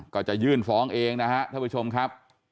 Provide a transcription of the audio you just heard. ก็จะยื่นฟ้องเองนะครับท่านผู้ชมครับ